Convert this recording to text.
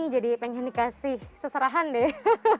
jadi pengen dikasih seserahan deh